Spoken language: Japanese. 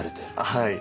はい。